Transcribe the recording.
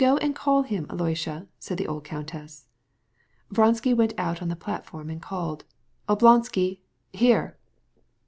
"Do call him, Alexey," said the old countess. Vronsky stepped out onto the platform and shouted: "Oblonsky! Here!"